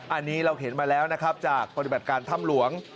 อันนี้เราเห็นมาแล้วนะครับจากปฏิบัติการถ้ำหลวง